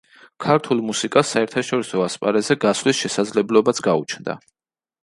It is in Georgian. ქართულ მუსიკას საერთაშორისო ასპარეზზე გასვლის შესაძლებლობაც გაუჩნდა.